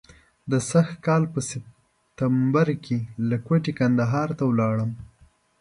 د سږ کال په سپټمبر کې له کوټې کندهار ته ولاړم.